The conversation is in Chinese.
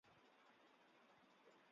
秦时改称乌程县。